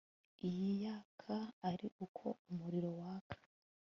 iyi yaka ari uko umuriro waka